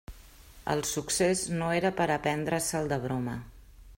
El succés no era per a prendre-se'l de broma.